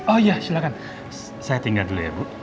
oh iya silakan saya tinggal dulu ya ibu